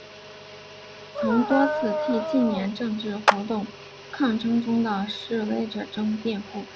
曾经多次替近年政治活动抗争中的示威者辩护。